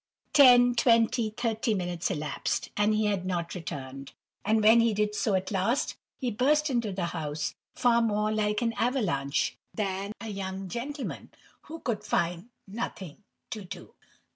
Ten, twenty, thirty, minutes elapsed, and he had not returned; and when he did so at last, he burst into the house far more like an avalanche than a young gentleman who could find "nothing to do."